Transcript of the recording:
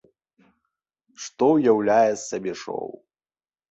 Што ўяўляе з сябе шоў?